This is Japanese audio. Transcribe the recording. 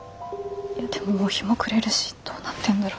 でももう日も暮れるしどうなってんだろ。